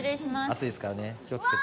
熱いですから気を付けて。